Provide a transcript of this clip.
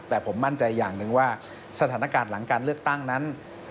แต่ผมมั่นใจอย่างหนึ่งว่าสถานการณ์หลังการเลือกตั้งนั้น